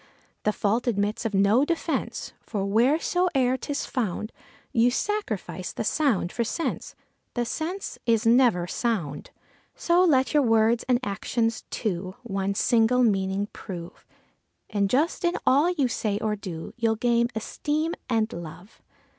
The fault admits of no defence, for wheresoe'er 'tis found, You sacrifice the sound for sense; the sense is never sound. So let your words and actions, too, one single meaning prove, And just in all you say or do, you'll gain esteem and love.